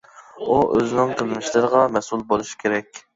ئۇ ئۆزىنىڭ قىلمىشلىرىغا مەسئۇل بولۇشى كېرەك.